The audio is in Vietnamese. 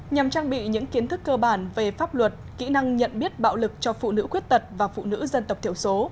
nhằm trang bị những kiến thức cơ bản về pháp luật kỹ năng nhận biết bạo lực cho phụ nữ khuyết tật và phụ nữ dân tộc thiểu số